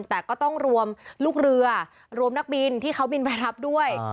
แต่ก็ต้องรวมลูกเรือรวมนักบินที่เขาบินไปรับด้วย